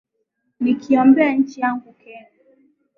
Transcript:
Nikiombea nchi yangu kenya